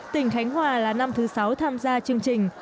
tỉnh khánh hòa là năm thứ sáu tham gia chương trình